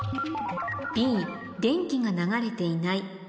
「Ｂ電気が流れていない」